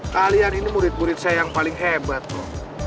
kalian ini murid murid saya yang paling hebat loh